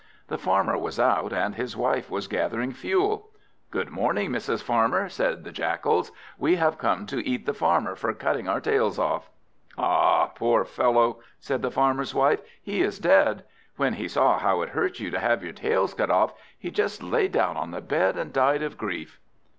The Farmer was out, and his wife was gathering fuel. "Good morning, Mrs. Farmer," said the Jackals; "we have come to eat the Farmer for cutting our tails off." "Ah, poor fellow," said the Farmer's wife, "he is dead. When he saw how it hurt you to have your tails cut off, he just lay down on the bed, and died of grief."